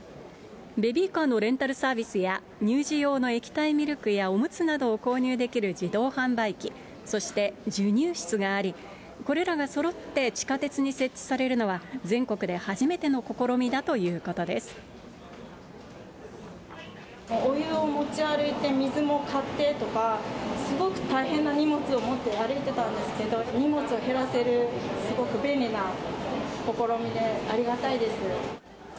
ベビーカーのレンタルサービスや、乳児用の液体ミルクやおむつなどを購入できる自動販売機、そして授乳室があり、これらがそろって地下鉄に設置されるのは全国で初めての試みだとお湯を持ち歩いて、水も買ってとか、すごく大変な荷物を持って歩いてたんですけども、荷物を減らせる、すごく便利な試みでありがたいです。